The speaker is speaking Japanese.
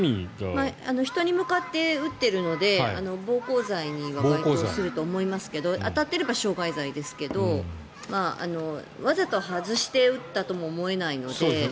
人に向かって打っているので暴行罪には該当すると思いますが当たっていたら傷害罪ですがわざと外して打ったとも思えないので。